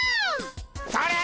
それ！